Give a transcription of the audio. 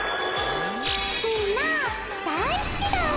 みんな大好きだお。